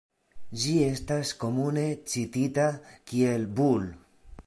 Ĝi estas komune citita kiel "Bull.